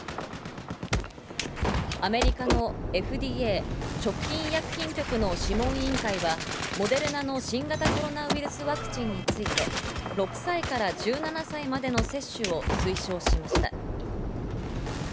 アメリカのＦＤＡ＝食品医薬品局の諮問委員会はモデルナの新型コロナウイルスワクチンについて、６歳から１７歳までの接種を推奨しました。